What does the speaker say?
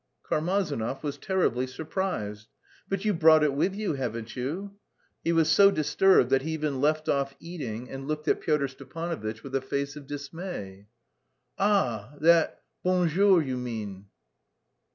Karmazinov was terribly surprised. "But you've brought it with you, haven't you?" He was so disturbed that he even left off eating and looked at Pyotr Stepanovitch with a face of dismay. "Ah, that Bonjour you mean...."